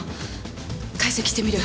解析してみる。